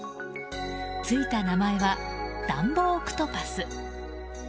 ついた名前は、ダンボオクトパス。